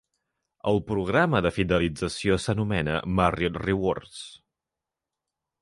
El programa de fidelització s'anomena Marriott Rewards.